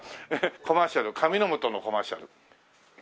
コマーシャル加美乃素のコマーシャル。